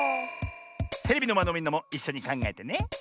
テレビのまえのみんなもいっしょにかんがえてね。